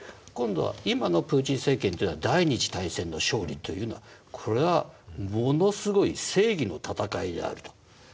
今度は今のプーチン政権というのは第二次大戦の勝利というのはこれはものすごい正義の戦いであると。